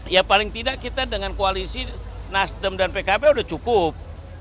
ya paling tidak kita dengan koalisi nasdem dan pkb sudah cukup